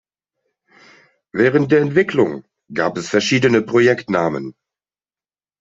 Während der Entwicklung, gab es verschiedene Projekt Namen.